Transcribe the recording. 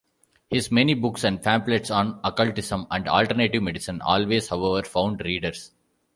His many books and pamphlets on occultism and alternative medicine always, however, found readers.